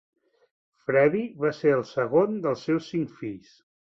Fredi va ser el segon dels seus cinc fills.